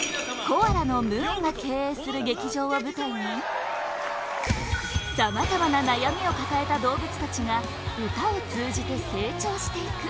コアラのムーンが経営する劇場を舞台にさまざまな悩みを抱えた動物たちが歌を通じて成長していく